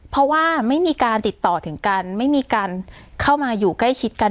เพราะว่าไม่มีการติดต่อถึงกันไม่มีการเข้ามาอยู่ใกล้ชิดกัน